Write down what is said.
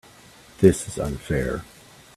This is unfair.